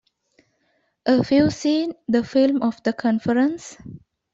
A few seen the film of the conference?